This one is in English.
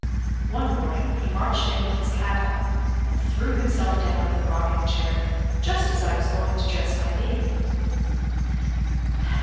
One morning he marched in with his hat on, and threw himself down in the rocking chair, just as I was going to dress my baby.